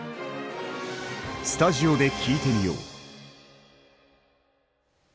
スタジオで聞いてみよう。